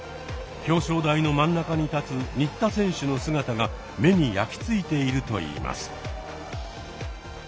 表彰台の真ん中に立つ新田選手の姿が目に焼き付いているといいます。